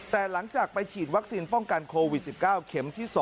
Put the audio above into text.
แต่หลังจากไปฉีดวัคซีนป้องกันโควิด๑๙เข็มที่๒